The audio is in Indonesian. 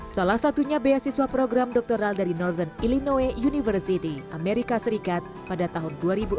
salah satunya beasiswa program doktoral dari norgen illinoway university amerika serikat pada tahun dua ribu empat belas